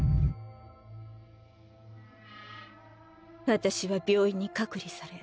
私は病院に隔離され